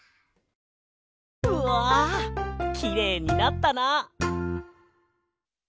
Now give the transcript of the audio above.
うわきれいになったな！